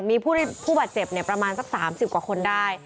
มีผู้บาดเจ็บประมาณสัก๓๐กว่าคนได้